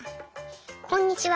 「こんにちは！